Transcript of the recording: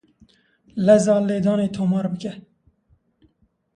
Leza lêdanê tomar bike.